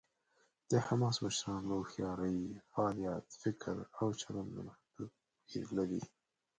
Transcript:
د حماس مشران له هوښیارۍ، فعالیت، فکر او چلند له مخې توپیر لري.